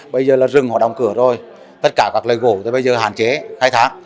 bây giờ là rừng họ đóng cửa rồi tất cả các lây gỗ bây giờ hạn chế khai thác